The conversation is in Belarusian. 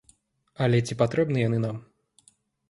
Але ці патрэбны яны нам?